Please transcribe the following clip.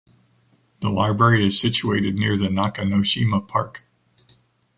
The library is situated near the Nakanoshima park.